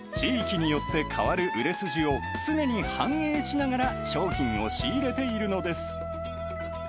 地域によって変わる売れ筋を、常に反映しながら商品を仕入れているのです。